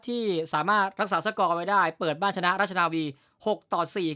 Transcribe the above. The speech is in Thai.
ที่สามารถรักษาสกอร์เอาไว้ได้เปิดบ้านชนะราชนาวีหกต่อสี่